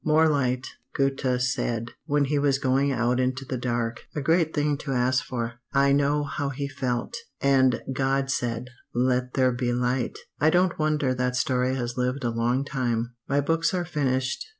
"'More light' Goethe said, when he was going out into the dark. A great thing to ask for. I know how he felt! 'And God said Let there be light' I don't wonder that story has lived a long time. "My books are finished.